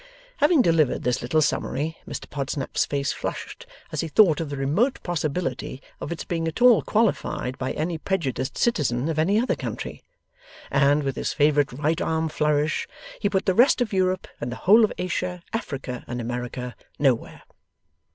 Having delivered this little summary, Mr Podsnap's face flushed, as he thought of the remote possibility of its being at all qualified by any prejudiced citizen of any other country; and, with his favourite right arm flourish, he put the rest of Europe and the whole of Asia, Africa, and America nowhere.